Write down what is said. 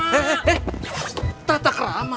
eh eh eh tatakrama